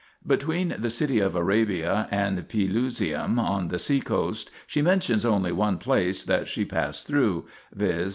Between " the city of Arabia " and Pelusium on the sea coast she mentions only one place that she passed through, viz.